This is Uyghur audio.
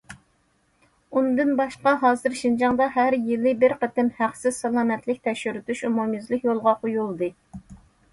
ئۇندىن باشقا، ھازىر شىنجاڭدا ھەر يىلى بىر قېتىم ھەقسىز سالامەتلىك تەكشۈرتۈش ئومۇميۈزلۈك يولغا قويۇلدى.